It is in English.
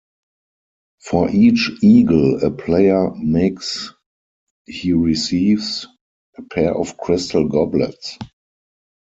For each eagle a player makes he receives a pair of crystal goblets.